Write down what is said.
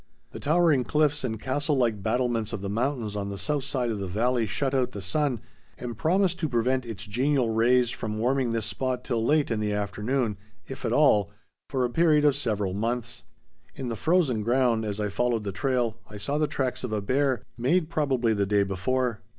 The towering cliffs and castle like battlements of the mountains on the south side of the valley shut out the sun, and promised to prevent its genial rays from warming this spot till late in the afternoon, if at all, for a period of several months. In the frozen ground, as I followed the trail, I saw the tracks of a bear, made probably the day before.